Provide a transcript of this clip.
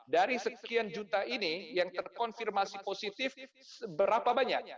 dari sekian juta ini yang terkonfirmasi positif berapa banyak